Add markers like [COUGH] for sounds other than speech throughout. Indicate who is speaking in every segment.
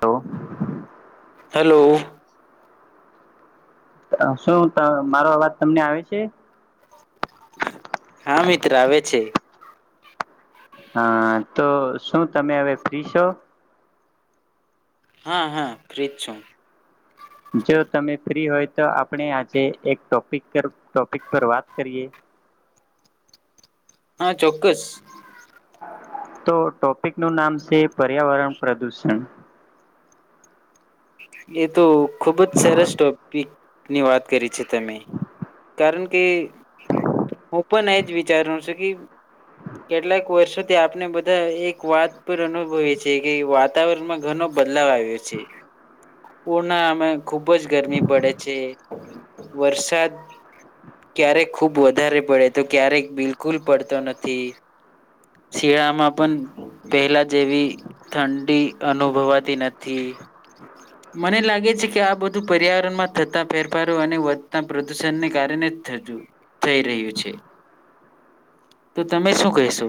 Speaker 1: Hello.
Speaker 2: Hello
Speaker 1: શું મારો [UNINTELLIGIBLE] અવાજ તમને આવે છે.
Speaker 2: હા મિત્ર આવે છે.
Speaker 1: હા તો શું તમે હવે ફ્રી છો.
Speaker 2: હા હા ફ્રીજ છું.
Speaker 1: જો તમે ફ્રી હોય તો આપણે આજે એક ટોપ પર ટોપિક પર વાત કરીએ.
Speaker 2: હા ચોક્કસ.
Speaker 1: તો ટોપિક નું નામ છે પર્યાવરણ પ્રદુષણ.
Speaker 2: એ તો ખૂબ જ સરસ ટોપીક ની વાત કરી છે. તમે કારણ કે હું પણ એજ વિચારું છું કે કેટલાક વર્ષોથી આપને બધા એક વાત પર અનુભવી છે કે વાતાવરણમાં ઘણો બદલાવ આવ્યો છે. ઉનાળામાં ખૂબ જ ગરમી પડે છે વરસાદ ક્યારેક ખૂબ વધારે પડે તો ક્યારેક બિલકુલ પડતો નથી શિયાળામાં પણ પહેલા જેવી ઠંડી અનુભવાતી નથી. મને લાગે છે કે આ બધું પર્યાવરણમાં થતા ફેરફારો અને વધતા પ્રદુષણને કારણે જ થતુ થઈ રહ્યું છે તો તમે શું કહેશો?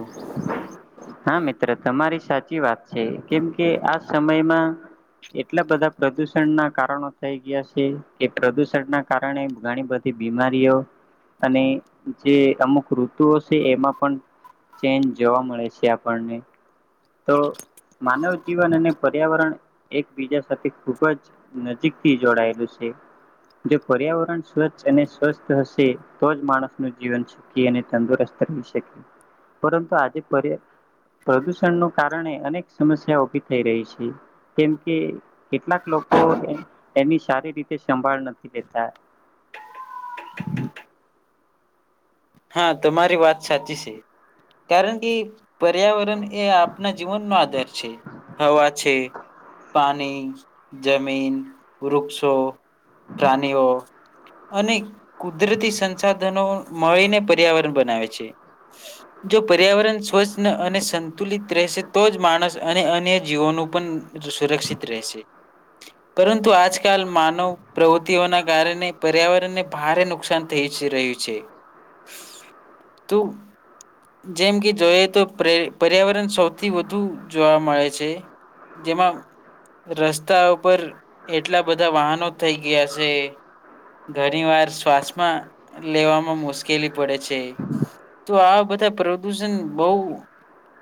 Speaker 1: હા મિત્ર તમારી સાચી વાત. છે કેમ કે આ સમયમાં એટલા બધા પ્રદુષણ ના કારણો થઈ ગયા છે કે પ્રદુષણના કારણે ઘણી બધી બીમારીઓ અને જે અમુક ઋતુઓ છે એમાં પણ ચેન્જ જોવા મળે છે આ પણને તો માનવ જીવન અને પર્યાવરણ એકબીજા સાથે ખૂબ જ નજીકથી જોડાયેલું છે જો પર્યાવરણ સ્વચ્છ અને સ્વસ્થ હશે તો જ માણસનું જીવન સુખી અને તંદુરસ્ત રહી શકે પરંતુ આજે પર યા પ્રદુષણનુ કારણે અનેક સમસ્યા ઉભી થઈ રહી છે કેમ કે કેટલાક લોકો એની શારીર રીતે સંભાળ નથી દેતા.
Speaker 2: હા તમારી વાત સાચી છે કારણ કે પર્યાવરણ એ આપના જીવનમાં આદર છે. હવા છે પાની જમીન વૃક્ષો પ્રાણીઓ અને કુદરતી સંસાધનો મળીને પર્યાવરણ બનાવે છે જો પર્યાવરણ સ્વચ્છ અને સંતુલિત રહેશે તો જ માણસ અને અન્ય જીવનું પણ સુરક્ષિત રહેશે પરંતુ આજકાલ માનવ પ્રવૃત્તિઓના કારણે પર્યાવરણને ભારે નુકસાન થઈજ રહ્યું છે. તો જેમ કે જોઈએ તો પ્રે પર્યાવરણ સૌથી વધુ જોવા મળે છે જેમાં રસ્તા ઉપર એટલા બધા વાહનો થઈ ગયા છે ઘણી વાર શ્વાસમાં લેવામાં મુશ કેલી પડે છે તો આ બધા પ્રદૂષણ બવ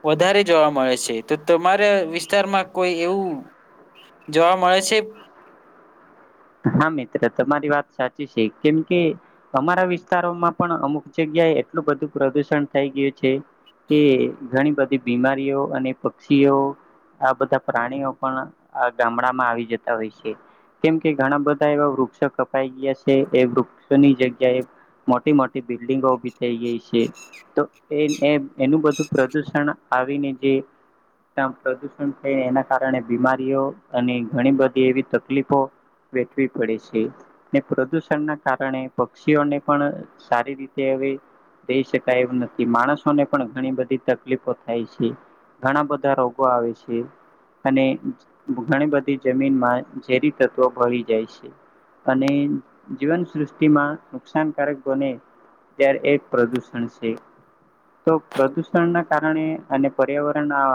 Speaker 2: વધારે જોવા મળે છે તો તમારા વિસ્તારમાં કોઈ એવું જોવા મળે છે
Speaker 1: હા મિત્ર તમારી વાત સાચી છે કેમ કે અમારા વિસ્તારોમાં પણ અમુક જગ્યાએ એટલું બધું પ્રદુષણ થઈ ગયું છે. કે ઘણી બ બીમારીઓ અને પક્ષીઓ આ બધા પ્રાણીઓ પણ આ ગામડામાં આવી જતા હોય છે કેમ કે ઘણા બધા એવા વૃક્ષો કપાઈ ગયા છે એ વૃક્ષોની જગ્યાએ મોટી મોટી બિલ્ડિંગો ઉભી થઈ ગઈ છે તો એ એનું બધું પ્રદુષણ આવીને જે તા પ્રદુષણ થઈ એના કારણે બીમારીઓ અને ઘણી બધી એવી તકલીફો વેઠવી પડે છે ને પ્રદૂષણના કારણે પક્ષીઓને પણ સારી રીતે હવે રઈ શકાય એવુ નથી માણસોને પણ ઘણી બધી તકલીફો થાય છે ઘણા બધા રોગો આવે છે અને ઘણી બધી જમીનમાં ઝેરી તત્વો ભય જાય છે અને જીવન સૃષ્ટિમાં નુકસાનકારક બને ત્યારે એ પ્રદુષણ છે તો પ્રદુષણના કારણે અને પર્યાવરણના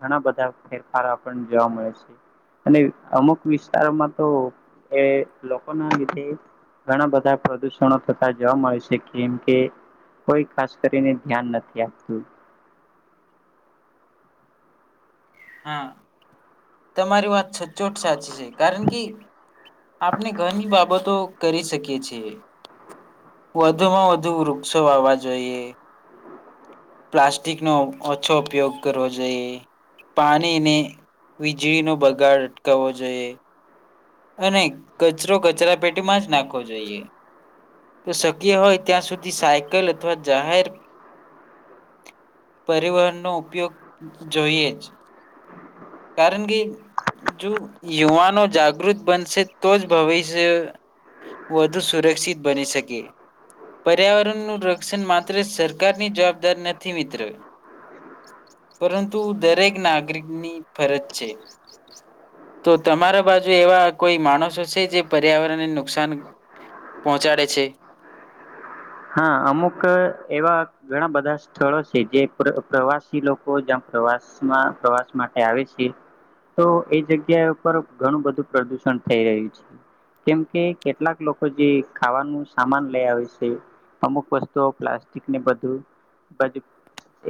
Speaker 1: ઘણા બધા ફેરફાર આપણને જોવા મળે છે અને અમુક વિસ્તારોમાં તો એ લોકો ના લીધે ઘણા બધા પ્રદુષણો થતા જોવા મળે છે કેમ કે કોઈ ખાસ કરીને ધ્યાન નથી આપતું.
Speaker 2: હા તમારી વાત સચોટ સાચી છે કારણ કે આપણે ઘણી બાબતો કરી શકીએ છીએ વધુમાં વધુ વૃક્ષો વાવવા જોઈએ પ્લાસ્ટિકનો ઓછો ઉપયોગ કરવો જોઈએ પાણીને વીજળીનો બગાડ અટકાવવો જોઈએ. અને કચરો કચરા પેટીમાં જ નાખવો જોઈએ તો શક્ય હોય ત્યાં સુધી સાયકલ અથવા જાહેર પરિવહનનો ઉપયોગ જોઈએ જ. કારણ કે જો યુવાનો જાગૃત બનશે તો જ ભવિષ્ય વધુ સુરક્ષિત બની શકે પર્યાવરણનું રક્ષણ માત્ર સરકારની જવાબદાર નથી મિત્ર પરંતુ દરેક નાગરિકની ફરજ છે તો તમારા બાજુ એવા કોઈ માણસો છે જે પર્યાવરણને નુકસાન પહોંચાડે છે
Speaker 1: હા અમુક એવા ઘણા બધા સ્થળો છે જે પ્રવાસી લોકો જ્યાં પ્રવાસમાં પ્રવાસ માટે આવે છે તો એ જગ્યા ઉપર ઘણું બધું પ્રદુષણ થઈ રહ્યું છે કેમ કે કેટલાક લોકો જે ખાવાનું સામાન લઈ આવે છે. અમુક વસ્તુઓ પ્લાસ્ટિકને બધું બધુ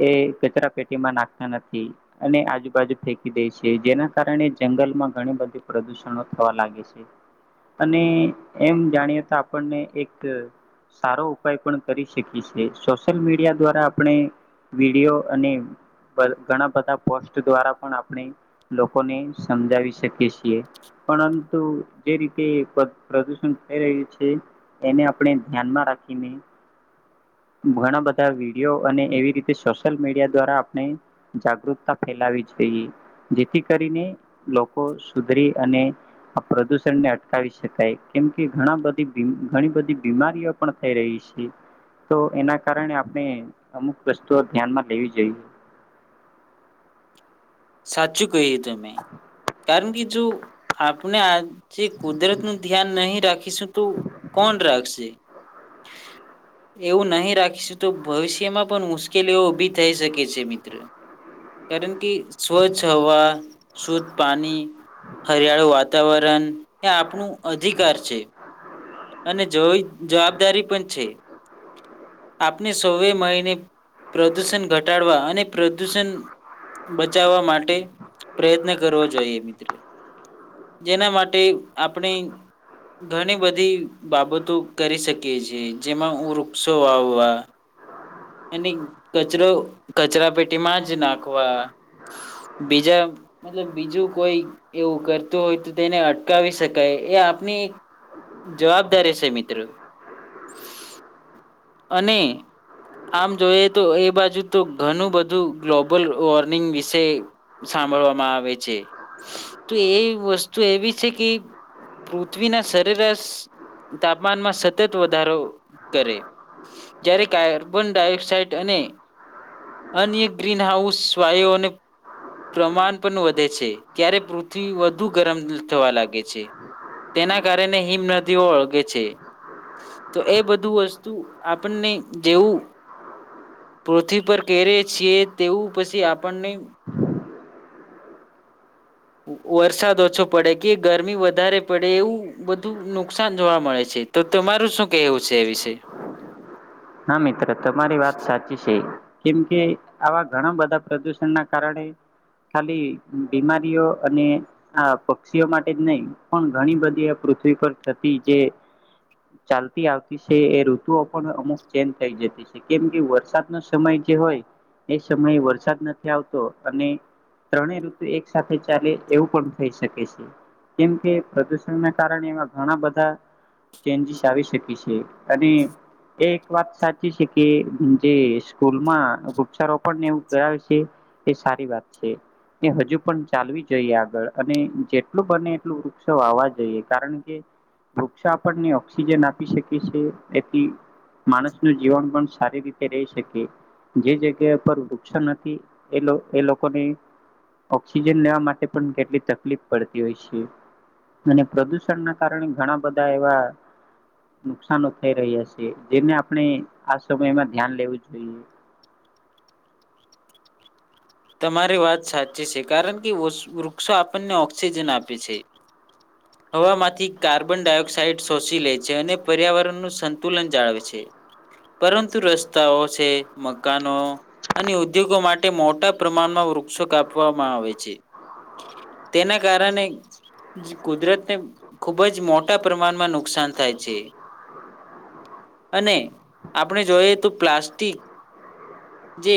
Speaker 1: એ કચરા પેટીમાં નાખતા નથી અને આજુબાજુ ફેંકી દે છે જેના કારણે જંગલમાં ઘણી બધી પ્રદુષણો થવા લાગે છે અને એમ જાણીએ તો આપણને એક સારો પાય પણ કરી શકી છીએ સોશિયલ મીડિયા દ્વારા આપણે વિડીયો અને ઘણા બધા પોસ્ટ દ્વારા પણ આપણે લોકોને સમજાવી શકી છીએ પરંતુ જે રીતે પ્રદૂષણ થઈ રહ્યું છે એને આપણે ધ્યાનમાં રાખ [UNINTELLIGIBLE] ઘણા બધા વિડીયો અને એવી રીતે સોશિયલ મીડિયા દ્વારા આપણે જાગૃતતા ફેલાવી જોઈએ જેથી કરીને લોકો સુધરી અને પ્રદુષણને અટકાવી શકાય કેમ કે ઘણા બધી ઘણી બધી બીમારીઓ પણ થઈ રહી છે. તો એના કારણે આપણે અમુક વસ્તુઓ ધ્યાનમાં લેવી જોઈએ.
Speaker 2: સાચું કહ્યું તમે કારણ કે જો આપણે આજે કુદરતનું ધ્યાન નહીં રાખીશું તો કોણ રાખશે? એવું નહીં રાખીશું તો ભવિષ્યમાં પણ મુશ્કેલી ઉભી થઈ શકે છે મિત્ર કારણ કે સ્વચ્છ હવા, શુદ્ધ પાણી, હરિયાળુ વાતાવરણ એ આપણું અધિકાર છે. અને જો જવાબદારી પણ છે આપણે સૌએ મળીને પ્રદુષણ ઘટાડવા અને પ્રદુષણ બચાવવા માટે પ્રયત્ન કરવો જોઈએ મિત્ર. જેના માટે આપણે ઘણી બધી બાબતો કરી શકીએ છીએ જેમાં હું વૃક્ષો વાવવા એની કચરો કચરાપેટીમાં જ નાખવા બીજા મતલબ બીજું કોઈ એવું કરતું હોય તો તેને અટકાવી શકાય એ આપની જવાબદારી છે મિત્ર અને આમ જોઈએ તો એ બાજુ તો ઘણું બધું ગ્લોબલ વોર્મિંગ વિશે સાંભળવામાં આવે છે તો એ વસ્તુ એવી છે કે પૃથ્વીના સરેરશ તાપમાનમાં સતત વધારો કરે જ્યારે કા કાર્બન ડાયોક્સાઇડ અને અન્ય ગ્રીન હાઉસ વાયુઓને પ્રમાણ પન વધે છે ત્યારે પૃથ્વી વધુ ગરમ થવા લાગે છે તેના કારણે હિમનદીઓ ઓળગે છે તો એ બધું વસ્તુ આપણને જેવું પૃથ્વી પર કેરીએ છીએ તેવું પછી આપણને વરસાદ ઓછો પડે કે ગરમી વધારે પડે એવું બધું નુકસાન જોવા મળે છે તો તમારું શું કેહવું છે એ વિશે?
Speaker 1: હા મિત્ર. તમારી વાત સાચી છે. કેમકે આવા ઘણા બધા પ્રદુષણના કારણે ખાલી બીમારીઓ અને આ પક્ષીઓ માટે જ નહીં પણ ઘણી બધી પૃથ્વી પર થતી જે ચાલતી આવતી છે એ ઋતુઓ પણ અમુક ચેંજ થઈ જતી છે કેમ કે વરસાદનો સમય જે હોય એ સમયે વરસાદ નથી આવતો અને ત્રણેય ઋતુ એક સાથે ચાલે એવું પણ થઈ શકે છે. વાત સાચી છે કે જે સ્કૂલમાં વૃક્ષારોપણને એવું કરાવે છે એ સારી વાત છે એ હજુ પણ ચાલવી જોઈએ આગળ અને જેટલું બને એટલું વૃક્ષો વાવવા જોઈએ કારણ કે વૃક્ષો આપણને ઓક્સિજન આપી શકે છે એથી માણસનું જીવન પણ સારી રીતે રહી શકે જે જગ્યા પર વૃક્ષ નથી એ એ લોકોને ઓક્સિજન લેવા માટે પણ કેટલી તકલીફ પડતી હોય છે અને પ્રદુષણના કારણે ઘણા બધા એવા નુકસાનો થઈ રહ્યા છે. જેને આપણે આ સમયમાં ધ્યાન લેવું જોઈએ.
Speaker 2: તમારી વાત સાચી છે કારણ કે વૃક્ષો આપણને ઓક્સિજન આપે છે હવામાંથી કાર્બન ડાયોક્સાઇડ શોષી લે છે અને પર્યાવરણનું સંતુલન જાળવે છે પરંતુ રસ્તાઓ શે, મકાનો અને ઉદ્યોગો માટે મોટા પ્રમાણમાં વૃક્ષો કાપવામાં આવે છે તેના કારણે કુદરતને ખૂબ જ મોટા પ્રમાણમાં નુકસાન થાય છે અને આપણે જોઈએ તો પ્લાસ્ટિક જે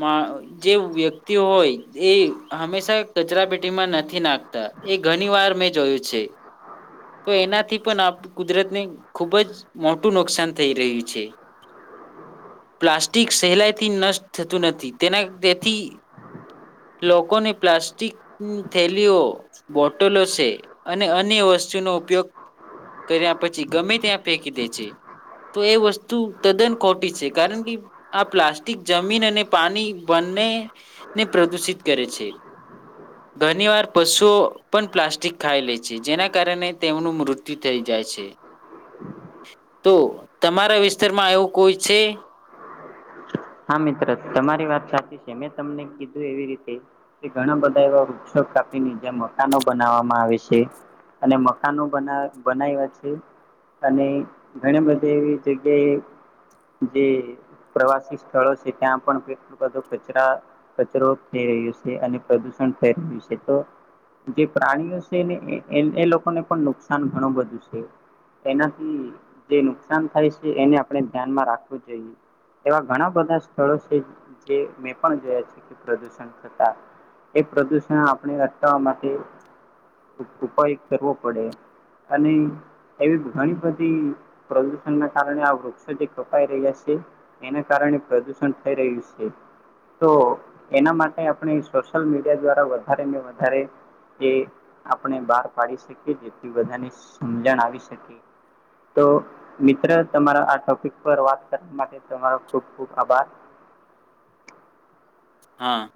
Speaker 2: મા જે વ્યક્તિઓ હોય એ હંમેશા કચરાપેટીમાં નથી નાખતા એ ઘની વાર મેં જોયું છે તો એનાથી પણ આપ કુદરતને ખુબ જ મોટું નુકસાન થઈ રહ્યું છે પ્લાસ્ટિક સહેલાઈથી નષ્ટ થતું નથી તેના તેેથી લોકોને પ્લાસ્ટિક થેલીઓ, બોટલો છે અને અન્ય વસ્તુનો ઉપયોગ કર્યા પછી ગમે ત્યાં ફેંકી દે છે તો એ વસ્તુ તદ્દન ખોટી છે કારણ કે આ પ્લાસ્ટિક જમીન અને પાણી બંનેને પ્રદુષિત કરે છે ઘણી વાર પશુઓ પણ પ્લાસ્ટિક ખાઈ લે છે જેના કારણે તેમનું મૃત્યુ થઈ જાય છે તો તમારા વિસ્તારમાં એવું કોઈ છે
Speaker 1: હા મિત્ર તમારી વાત સાચી છે મેં તમને કીધું એવી રીતે કે ઘણા બધા એવા વૃક્ષો કાપીને જ્યાં મકાનો બનાવવામાં આવે છે અને મકાનો બનાયવા છે અને ઘણી બધી એવી જગ્યાએ જે પ્રવાસી સ્થળો છે ત્યાં પણ કેટલું બધો કચરા કચરો થઈ રહ્યો છે અને પ્રદૂષણ થઈ રહ્યું છે તો જે પ્રાણીઓ છેને એ લોકોને પણ નુકસાન ઘણું બધું છે એનાથી જે નુકસાન થાય છે એને આપણે ધ્યાનમાં રાખવું જોઈએ એવા ઘણા બધા સ્થળો છે જે મેં પણ જોયા છે કે પ્રદૂષણ થતા એ પ્રદૂષણ આપણે અટકાવવા માટે ઉપાય કરવો પડે અને એવી ઘણી બધી પ્રદૂષણના કારણે આ વૃક્ષો જે કપાઈ રહ્યા છે એના કારણે પ્રદૂષણ થઈ રહ્યું છે તો એના માટે આપણે સોશિયલ મીડિયા દ્વારા વધારે ને વધારે એ આપણે બહાર પાડી શકીએ જેથી બધાને સમજણ આવી શકી તો મિત્ર તમારા આ ટોપિક પર વાત કરવા માટે તમારો ખૂબ ખૂબ આભાર.
Speaker 2: હા.